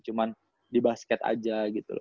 cuma di basket aja gitu loh